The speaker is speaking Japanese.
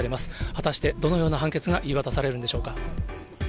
果たしてどのような判決が言い渡されるんでしょうか。